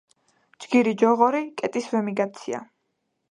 ჯგირი ჯოღორი კეტის ვემიგანცია